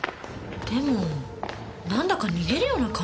でもなんだか逃げるような感じでした。